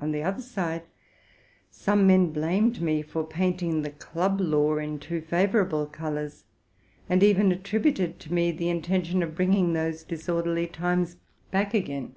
On the other side, some men blamed me for painting the club law in too favorable colors, and even attributed to me the RELATING TO MY LIFE. 157 intention of bringing those disorderly times back again.